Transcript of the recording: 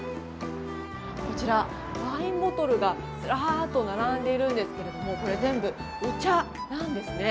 こちら、ワインボトルがずらっと並んでいるんですけどこれ全部、お茶なんですね。